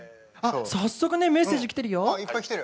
早速メッセージきてるよ。